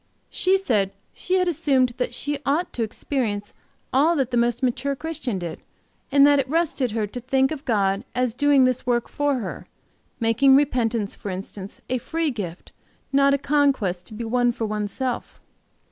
She said she had assumed that she ought to experience all that the most mature Christian did, and that it rested her to think of God as doing this work for her, making repentance, for instance, a free gift, not a conquest to be won for one's self.